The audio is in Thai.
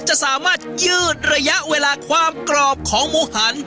จะสามารถยืดระยะเวลาความกรอบของหมูหัน